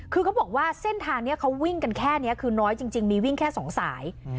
คือก็บอกว่าเส้นทางเนี้ยเขาวิ่งกันแค่เนี้ยคือน้อยจริงจริงมีวิ่งแค่สองสายอืม